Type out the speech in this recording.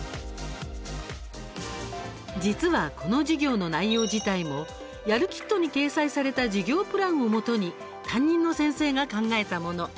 実は、この授業の内容自体も「やるキット！」に掲載された授業プランをもとに担任の先生が考えたもの。